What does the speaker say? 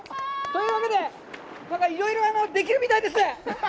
というわけで、いろいろできるみたいです！